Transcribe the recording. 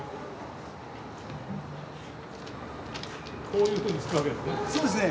こういうふうに付くわけですね。